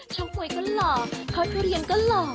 ช่วงมวยก็หล่อเค้าทุเรียงก็หล่อ